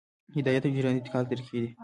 هدایت او جریان د انتقال طریقې دي.